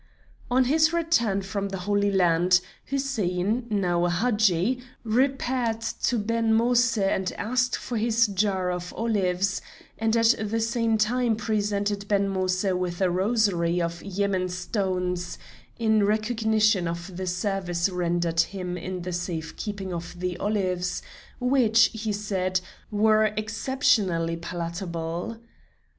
On his return from the Holy Land, Hussein, now a Hadji, repaired to Ben Moïse and asked for his jar of olives, and at the same time presented Ben Moïse with a rosary of Yemen stones, in recognition of the service rendered him in the safe keeping of the olives, which, he said, were exceptionally palatable.